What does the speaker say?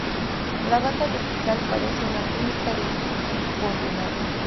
La bata de hospital parece una túnica de un condenado.